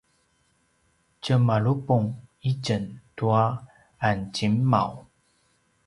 tjemalupung itjen tua anzingmau